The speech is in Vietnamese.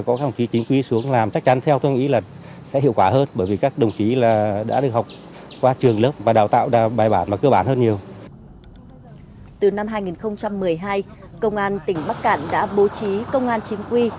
công an tỉnh bắc cạn đã bố trí công an chính quy